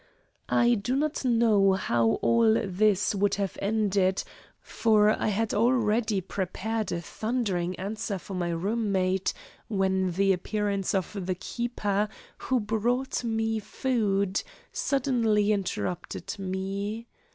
I do not know how all this would have ended, for I had already prepared a thundering answer for my roommate when the appearance of the keeper, who brought me food, suddenly interrupted me.